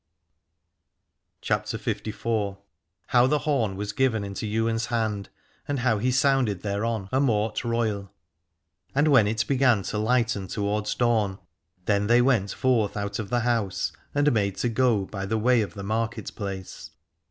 337 CHAPTER LIV. HOW THE HORN WAS GIVEN INTO YWAIN'S HAND, AND HOW HE SOUNDED THEREON A MORT ROYAL. And when it began to lighten towards dawn, then they went forth out of the house and made to go by the way of the market place.